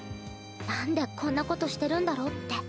なんでこんなことしてるんだろうって。